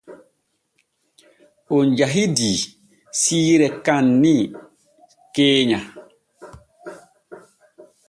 On jahidii siire kaanni keenya.